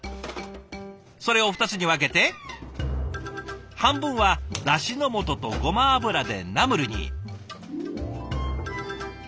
それを２つに分けて半分はだしのもととごま油でナムルに。